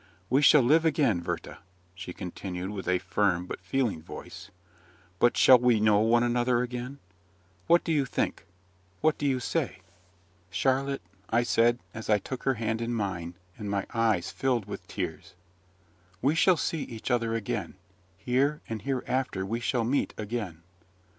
We shall live again, Werther!" she continued, with a firm but feeling voice; "but shall we know one another again what do you think? what do you say?" "Charlotte," I said, as I took her hand in mine, and my eyes filled with tears, "we shall see each other again here and hereafter we shall meet again."